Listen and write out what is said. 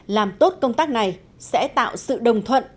làm tốt công tác này sẽ tạo sự đồng thuận